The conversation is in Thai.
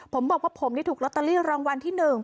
ผมบอกว่าผมนี่ถูกลอตเตอรี่รางวัลที่๑